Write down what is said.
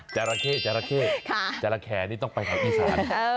จาระแคร์จาระแคร์จาระแคร์นี่ต้องไปทางอีสาน